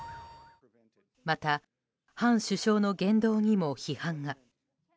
また、ハン首相の言動にも批判が。